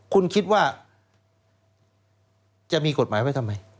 คุณคิดว่าจะมีกฎหมายไว้ทำไม